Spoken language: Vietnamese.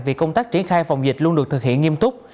vì công tác triển khai phòng dịch luôn được thực hiện nghiêm túc